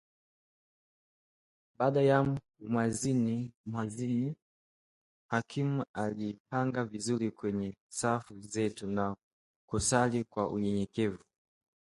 Baada ya mwadhini kukimu tulijipanga vizuri kwenye safu zetu na kusali kwa unyenyekevu